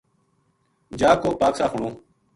جا کو پاک صاف ہونو۔